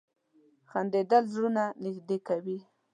• خندېدل زړونه نږدې کوي.